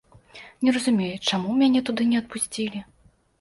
Не разумею, чаму мяне туды не адпусцілі.